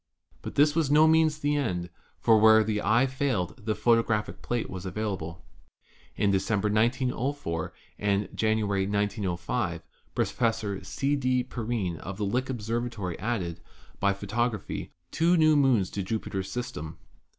But this was by no means the end, for where the eye failed the photographic plate was available. In Decem ber, 1904, and January, 1905, Professor C. D. Perrine of Lick Observatory added, by photography, two new moons to Jupiter's system.